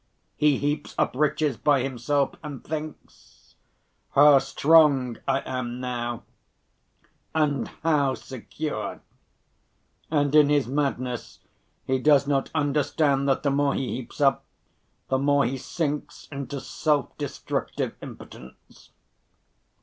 He heaps up riches by himself and thinks, 'How strong I am now and how secure,' and in his madness he does not understand that the more he heaps up, the more he sinks into self‐destructive impotence.